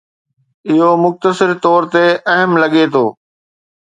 اهو مختصر طور تي اهم لڳي ٿو